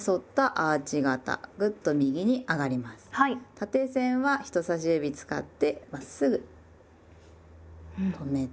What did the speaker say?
縦線は人さし指使ってまっすぐ止めて。